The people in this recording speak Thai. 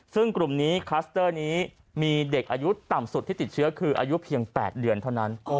ซึ่งกลุ่มนี้คลัสเตอร์นี้มีเด็กอายุต่ำสุดที่ติดเชื้อคืออายุเพียง๘เดือนเท่านั้น